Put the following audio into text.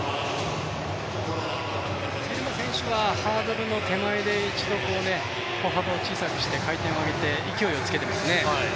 ギルマ選手はハードルの手前で歩幅を小さくして回転を上げて、勢いをつけていますね。